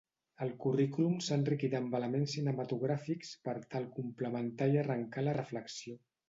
El currículum s'ha enriquit amb elements cinematogràfics per tal complementar i arrencar la reflexió.